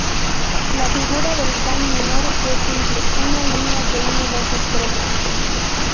La figura del Can menor es simple: una línea que une dos estrellas.